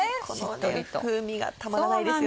この風味がたまらないですよね。